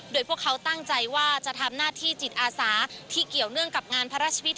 โดยพวกเขาตั้งใจว่าจะทำหน้าที่จิตอาสาที่เกี่ยวเนื่องกับงานพระราชพิธี